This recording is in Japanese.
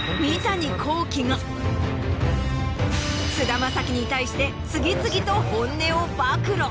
菅田将暉に対して次々と本音を暴露！